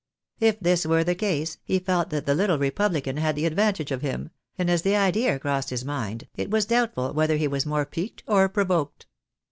If this were the case, he felt that the Uttle republican had the advantage of him ; and as the idea crossed his mind, it was doubtful whether he was more piqued or provoked.